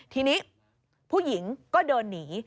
ทีนี้ผู้หญิงก็เดินหนี